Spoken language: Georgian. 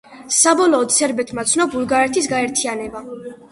საბოლოოდ სერბეთმა ცნო ბულგარეთის გაერთიანება.